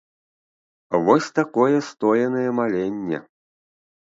Вось такое стоенае маленне.